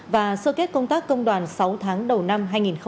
và sơ kết công tác công đoàn sáu tháng đầu năm hai nghìn hai mươi ba